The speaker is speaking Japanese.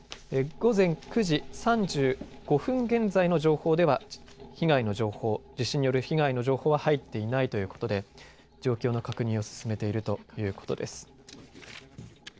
午前９時３５分現在の情報では被害の情報、地震による被害の情報は入っていないということで状況の確認を進めているということです。